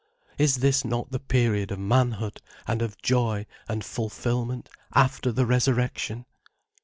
Is this not the period of manhood and of joy and fulfilment, after the Resurrection?